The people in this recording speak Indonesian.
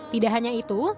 tidak hanya itu